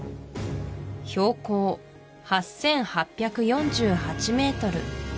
標高８８４８ｍ